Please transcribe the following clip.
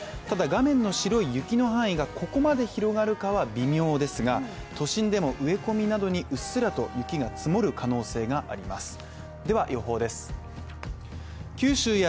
ただ画面の白い雪の範囲がここまで広がるかは微妙ですが、都心でも植え込みなどにうっすらと雪が積もる可能性があります。